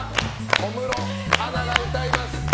小室アナが歌います。